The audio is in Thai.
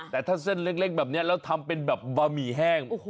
แต่ถ้าเส้นเล็กแบบนี้แล้วทำเป็นแบบบะหมี่แห้ง